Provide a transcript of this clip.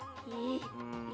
calon suaminya tante yu